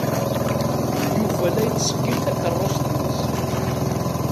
Yuba la yettṣeggim takeṛṛust-nnes.